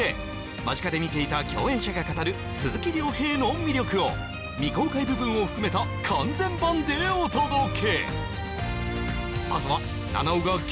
間近で見ていた共演者が語る鈴木亮平の魅力を未公開部分を含めた完全版でお届け！